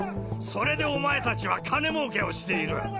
それでお前たちは金もうけをしている！